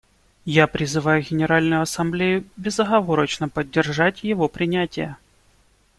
Я призываю Генеральную Ассамблею безоговорочно поддержать его принятие.